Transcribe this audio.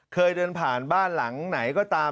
เคยเดินผ่านบ้านหลังไหนก็ตาม